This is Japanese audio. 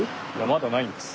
まだないんです。